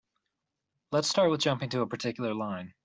Let's start with jumping to a particular line.